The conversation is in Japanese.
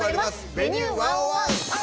「Ｖｅｎｕｅ１０１」。